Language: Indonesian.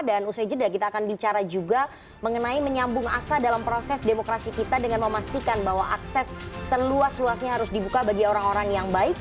dan usai jeda kita akan bicara juga mengenai menyambung asa dalam proses demokrasi kita dengan memastikan bahwa akses seluas luasnya harus dibuka bagi orang orang yang baik